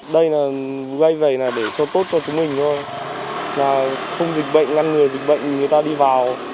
đây là gây vầy là để cho tốt cho chúng mình thôi là không dịch bệnh ngăn người dịch bệnh người ta đi vào